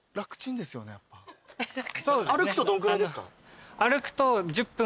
歩くとどんぐらいですか？